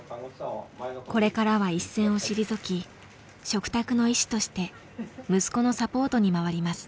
これからは一線を退き嘱託の医師として息子のサポートに回ります。